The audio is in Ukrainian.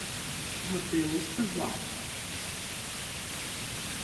Гатило сказав: